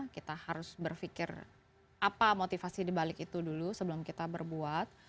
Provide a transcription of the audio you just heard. kita harus berpikir apa motivasi dibalik itu dulu sebelum kita berbuat